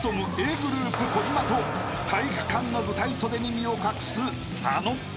ｇｒｏｕｐ小島と体育館の舞台袖に身を隠す佐野］